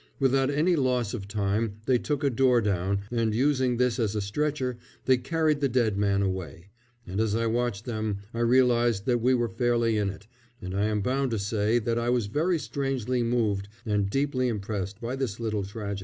Without any loss of time they took a door down, and using this as a stretcher they carried the dead man away, and as I watched them I realised that we were fairly in it, and I am bound to say that I was very strangely moved and deeply impressed by this little tragedy.